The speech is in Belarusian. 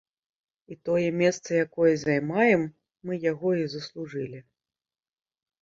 І тое месца, якое займаем, мы яго і заслужылі.